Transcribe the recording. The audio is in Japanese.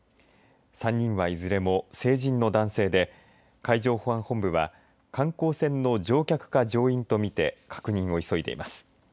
３人は、いずれも成人の男性で海上保安本部は観光船の乗客か乗員とみて確認を急いでいます。